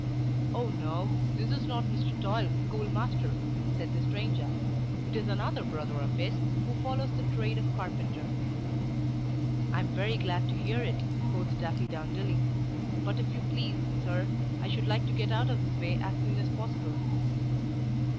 "Oh, no! this is not Mr. Toil, the schoolmaster," said the stranger. "It is another brother of his, who follows the trade of carpenter." "I am very glad to hear it," quoth Daffydowndilly; "but if you please, sir, I should like to get out of his way as soon as possible."